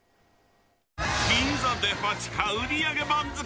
銀座デパ地下売上番付！